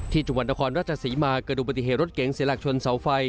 จังหวัดนครราชศรีมาเกิดดูปฏิเหตุรถเก๋งเสียหลักชนเสาไฟ